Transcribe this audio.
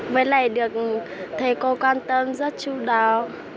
với lại được thầy cô quan tâm rất chú đáo